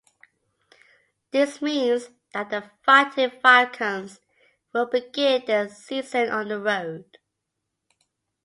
This means that the Fighting Falcons will begin their season on the road.